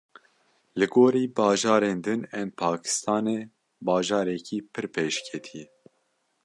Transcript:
Li gorî bajarên din ên Pakistanê bajarekî pir pêşketî ye.